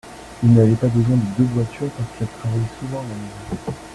Ils n'avaient pas besoin de deux voitures parce qu'elle travaillait souvent à la maison.